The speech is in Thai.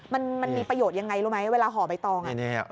มันมีประโยชน์ยังไงรู้ไหมเวลาห่อใบตอง